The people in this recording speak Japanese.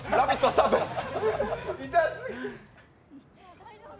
スタートです！